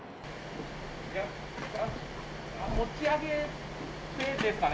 持ち上げてですかね。